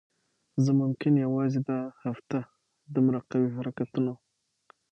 زه ممکن یوازی دا هفته دومره قوي حرکتونو